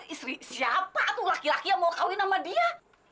istri siapa tuh laki laki yang mau kawin sama dia